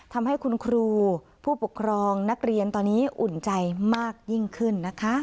ทำให้คุณครูผู้ปกครองนักเรียนตอนนี้อุ่นใจมากยิ่งขึ้นนะคะ